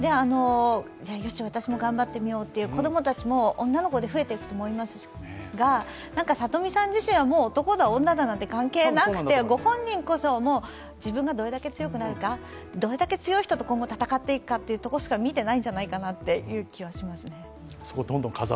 よし、私も頑張ってみようという子どもたちも女の子で増えていくと思いますが里見さん自身はもう男だ、女だなんて関係なくて御本人こそ自分がどれだけ強くなるかどれだけ強い人と今後戦っていくかというところしか見ていないんじゃないかと思いますね。